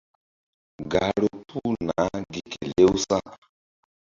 Gahru puh naah gi kelew sa̧.